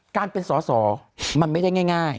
การเป็นสอสอมันไม่ได้ง่าย